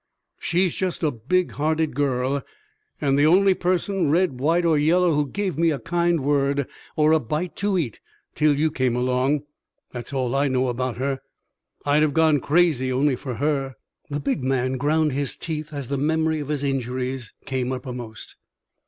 "She's just a big hearted girl, and the only person, red, white, or yellow, who gave me a kind word or a bite to eat till you came along. That's all I know about her. I'd have gone crazy only for her." The big man ground his teeth as the memory of his injuries came uppermost.